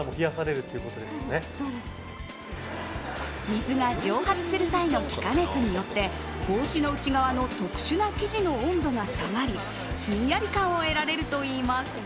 水が蒸発するときの気化熱で帽子の内側の特殊な生地の温度が下がりひんやり感が得られるといいます。